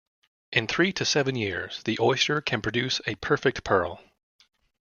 In three to seven years, the oyster can produce a perfect pearl.